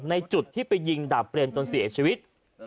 ในจุดที่ไปยิงดาบเรนจนเสียชีวิต